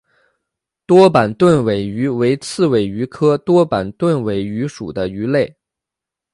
多板盾尾鱼为刺尾鱼科多板盾尾鱼属的鱼类。